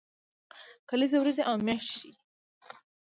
کلیزه ورځې او میاشتې ښيي